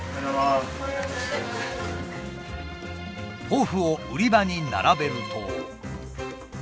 豆腐を売り場に並べると。